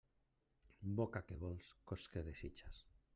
Boca què vols, cos què desitges.